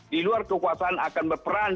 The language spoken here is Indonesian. di luar kekuasaan akan berperan